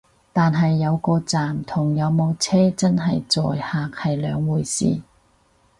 但係有個站同有冇車真係載客係兩回事